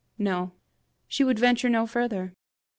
No; she would venture no farther.